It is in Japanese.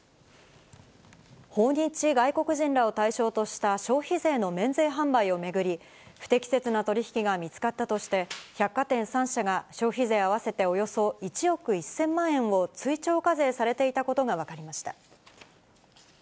訪日外国人らを対象とした消費税の免税販売を巡り、不適切な取り引きが見つかったとして、百貨店３社が、消費税合わせておよそ１億１０００万円を追徴課税されていたことが分かりました。